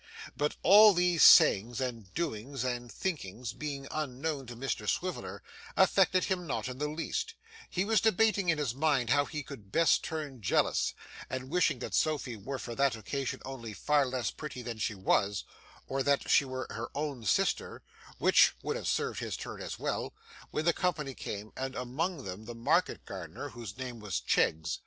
But all these sayings and doings and thinkings being unknown to Mr Swiveller, affected him not in the least; he was debating in his mind how he could best turn jealous, and wishing that Sophy were for that occasion only far less pretty than she was, or that she were her own sister, which would have served his turn as well, when the company came, and among them the market gardener, whose name was Cheggs.